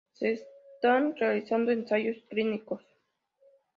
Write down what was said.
Se están realizando ensayos clínicos.